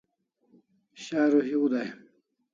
Sharu hiu dai